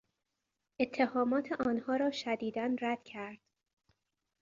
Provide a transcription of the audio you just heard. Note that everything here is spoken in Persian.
اتهامات آنها را شدیدا رد کرد.